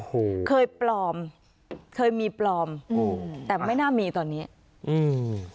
โอ้โหเคยปลอมเคยมีปลอมอืมแต่ไม่น่ามีตอนเนี้ยอืม